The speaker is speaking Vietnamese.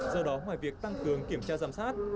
do đó ngoài việc tăng cường kiểm tra giám sát